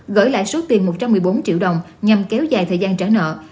gửi lại số tiền một trăm một mươi bốn triệu đồng nhằm kéo dài thời gian trả nợ